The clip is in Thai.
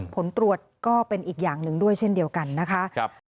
ผลตรวจก็เป็นอีกอย่างหนึ่งด้วยเช่นเดียวกันนะคะ